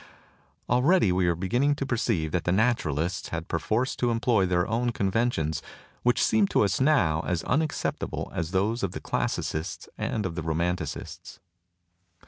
Already are we be ginning to perceive that the Naturalists had perforce to employ their own conventions, which seem to us now as unacceptable as those of the Classicists and of the Romanticists.